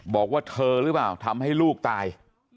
บอกว่าเธอหรือเปล่าทำให้ลูกตาย